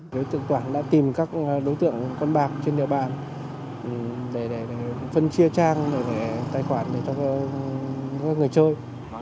đối tượng quản đã tìm các đối tượng con bạc trên địa bàn để phân chia trang để tài khoản cho các người chơi